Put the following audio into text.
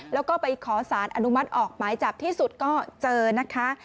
แล้วก็ไปขอสารอนุมัติออกหมายจับที่สุดก็เจอนะคะ